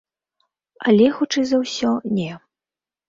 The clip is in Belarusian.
Але, хутчэй за ўсё, не.